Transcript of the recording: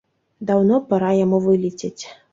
Даўно пара яму вылецець!